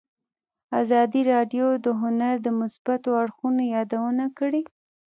ازادي راډیو د هنر د مثبتو اړخونو یادونه کړې.